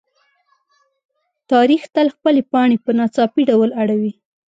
تاریخ تل خپلې پاڼې په ناڅاپي ډول اړوي.